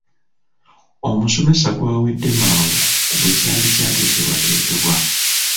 Omusomesa gwawedde mangu ku bwe kyali kyateekebwateekebwa.